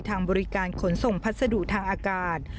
ทางบริการขนส่งพัสดุทางอากาศ